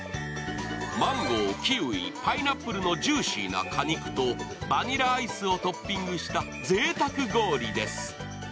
マンゴー、キウイ、パイナップルのジューシーな果肉とバニラアイスをトッピングしたぜいたく氷です。